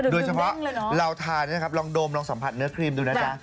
โดยเฉพาะเราทานนะครับลองโดมลองสัมผัสเนื้อครีมดูนะจ๊ะ